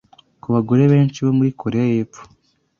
Ku bagore benshi bo muri Koreya y'epfo,